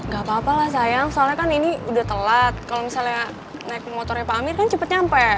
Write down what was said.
gak apa apa lah sayang soalnya kan ini udah telat kalau misalnya naik motornya pak amir kan cepet nyampe